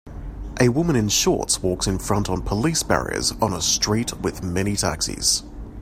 A woman in shorts walks in front on police barriers on a street with many taxis.